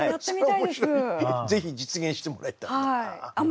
ぜひ実現してもらいたいなあ。